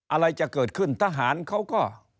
อะไรจะเกิดขึ้นทหารเขาก็